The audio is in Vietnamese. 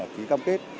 ký cam kết